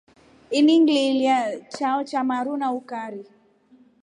Ini ngililya chao cha maru na ukari.